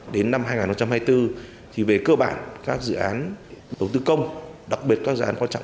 đến năm hai nghìn hai mươi bốn thì về cơ bản các dự án đầu tư công đặc biệt các dự án quan trọng